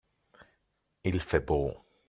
Il fait beau.